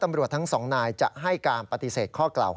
ตำรวจทั้งสองนายจะให้การปฏิเสธ